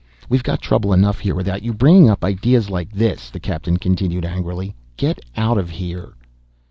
"We've got trouble enough here without you bringing up ideas like this," the captain continued angrily. "Get out of here."